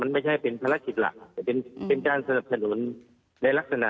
ไม่ใช่เป็นภารกิจหลักแต่เป็นการสนับสนุนในลักษณะ